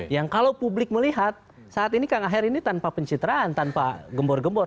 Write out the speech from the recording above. yang kalau publik melihat saat ini kang aher ini tanpa pencitraan tanpa gembor gembor